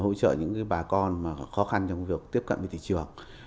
hỗ trợ những bà con khó khăn trong việc tiếp cận với thị trường